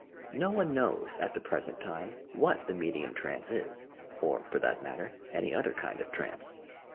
No one knows, at the present time, what the medium trance is, or for that matter, any other kind of trance